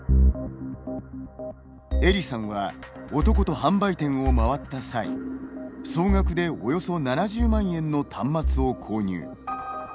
エリさんは男と販売店を回った際総額でおよそ７０万円の端末を購入。